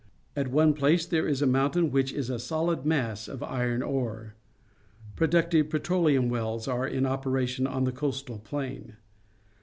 At one place there is a mountain which is a sohd mass of iron ore. Productive petroleum wells are in operation on the coastal plain.